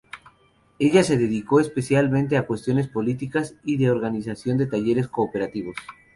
Ella se dedicó especialmente a cuestiones políticas y de organización de talleres cooperativos.